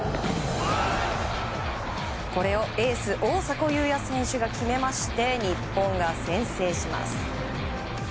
これをエース大迫勇也選手が決めまして日本が先制します。